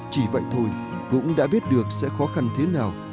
chỉ vậy thôi cũng đã biết được sẽ khó khăn thế nào